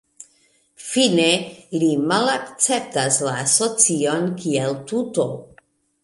Fine, li malakceptas la socion kiel tuto.